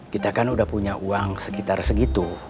kita kan udah punya uang sekitar segitu